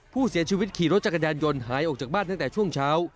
ผู้เสียชีวิตขี่รถจักรยานยนต์หายออกจากบ้านตั้งแต่ช่วงเช้า